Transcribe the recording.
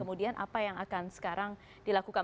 kemudian apa yang akan sekarang dilakukan